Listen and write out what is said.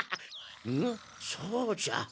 んそうじゃ。